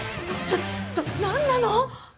ちょっと何なの？